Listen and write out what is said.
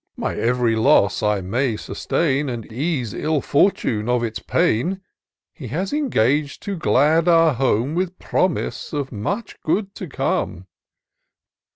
My ev'ry loss I may sustain. And ease ill fortune of its pain : He has engag'd to glad our home. With promise of much good to come.